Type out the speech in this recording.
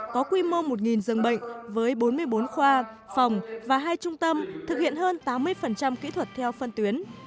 có quy mô một giường bệnh với bốn mươi bốn khoa phòng và hai trung tâm thực hiện hơn tám mươi kỹ thuật theo phân tuyến